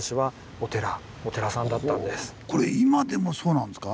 これ今でもそうなんですか？